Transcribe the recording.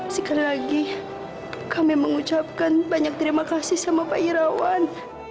sekali lagi kami mengucapkan banyak terima kasih sama pak irawan